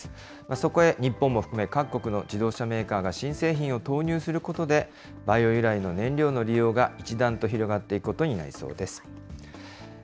そこへ日本も含め、各国の自動車メーカーが新製品を投入することで、バイオ由来の燃料のが一段と広がっていくことになりそうです。